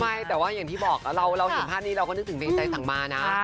ไม่แต่ว่าอย่างที่บอกเราเห็นภาพนี้เราก็นึกถึงเพลงใจสั่งมานะ